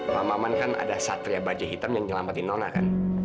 pak maman kan ada satria bajai hitam yang nyelamatin nona kan